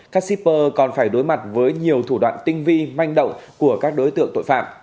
các shipper còn phải đối mặt với nhiều thủ đoạn tinh vi manh động của các đối tượng tội phạm